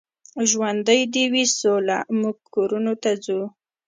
ژوندۍ دې وي سوله، موږ کورونو ته ځو.